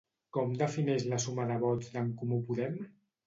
Com defineix la suma de vots d'En Comú Podem?